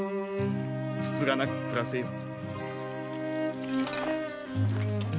つつがなく暮らせよ。